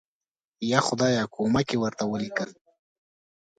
یا خدایه کومک یې ورته ولیکل.